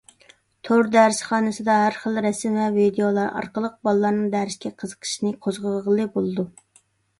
تور دەرسخانىسىدا ھەر خىل رەسىم ۋە ۋىدىيولار ئارقىلىق بالىلارنىڭ دەرسكە قىزىقىشىنى قوزغىغىلى بولىدۇ.